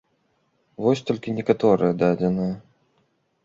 Вось толькі некаторыя дадзеныя.